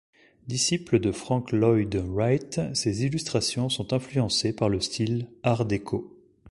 Disciple de Frank Lloyd Wright ses illustrations sont influencées par le style art déco.